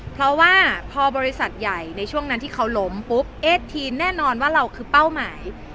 เพราะว่าพอบริษัทใหญ่ในช่วงนั้นที่เขาล้มปุ๊บเอสทีนแน่นอนว่าเราคือเป้าหมาย